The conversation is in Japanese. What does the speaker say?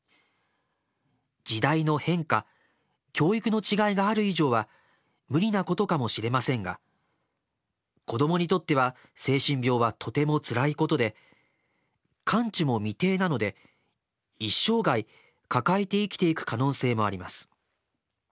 時代の変化教育の違いがある以上は無理なことかもしれませんが子どもにとっては精神病はとてもつらいことで完治も未定なので一生涯抱えて生きていく可能性もあります。